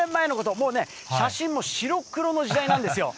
もうね、写真も白黒の時代なんですよ。